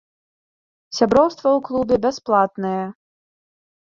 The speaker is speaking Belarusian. Сяброўства ў клубе бясплатнае.